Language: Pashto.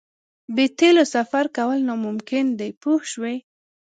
بې تیلو سفر کول ناممکن دي پوه شوې!.